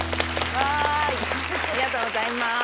ありがとうございます。